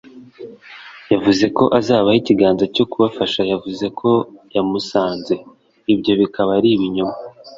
Yavuze ko azabaha ikiganza cyo kubafashaYavuze ko yamusanze, ibyo bikaba ari ibinyoma.